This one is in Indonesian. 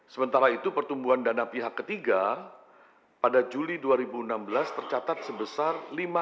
sementara itu pertumbuhan dana pihak ketiga pada juli dua ribu enam belas tercatat sebesar